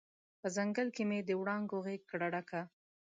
په ځنګل کې مې د وړانګو غیږ کړه ډکه